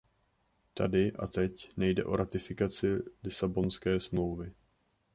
Tady a teď nejde o ratifikaci Lisabonské smlouvy.